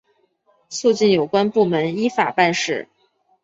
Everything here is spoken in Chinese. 促进有关部门依法办事